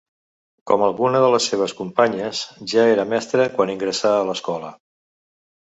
Com algunes de les seves companyes, ja era mestra quan ingressà a l'Escola.